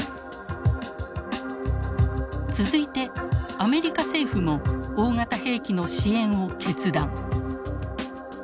続いてアメリカ政府も大型兵器の支援を決断。